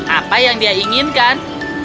apa yang dia inginkan